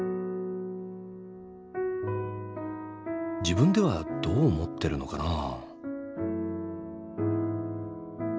自分ではどう思ってるのかな？